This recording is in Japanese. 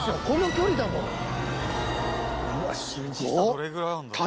この距離だもん。